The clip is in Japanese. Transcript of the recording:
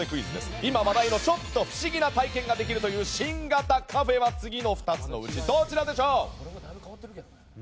今、話題のちょっと不思議な体験ができるという新型カフェは次の２つのうちどちらでしょう？